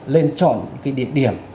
lên trọn những điểm điểm